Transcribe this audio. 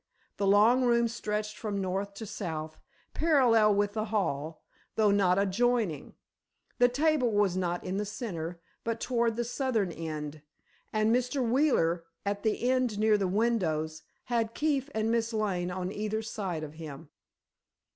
The long room stretched from north to south, parallel with the hall, though not adjoining. The table was not in the centre, but toward the southern end, and Mr. Wheeler, at the end near the windows, had Keefe and Miss Lane on either side of him.